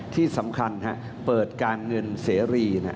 ที่สำคัญเปิดการเงินเสรี